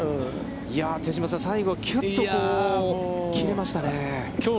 手嶋さん、最後きゅっと切れましたね。